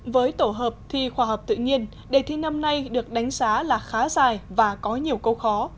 với tổ hợp thi khoa học tự nhiên đề thi năm nay được đánh giá là khá dài và có nhiều câu khó